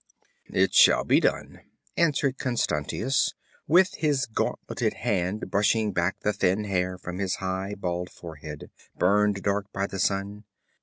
'It shall be done,' answered Constantius, with his gauntleted hand brushing back the thin hair from his high bald forehead, burned dark by the sun.